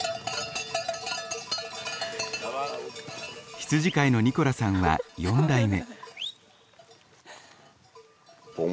羊飼いのニコラさんは４代目。